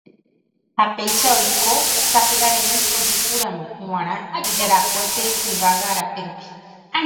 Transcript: ha péicha oiko sapy'arei ojuhúramo g̃uarã ijarakuépe yvága rape rupi.